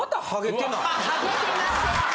ハゲてません！